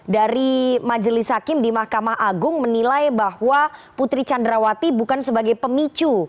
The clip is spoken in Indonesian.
dari majelis hakim di mahkamah agung menilai bahwa putri candrawati bukan sebagai pemicu